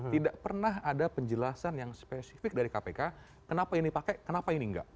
tidak pernah ada penjelasan yang spesifik dari kpk kenapa ini pakai kenapa ini enggak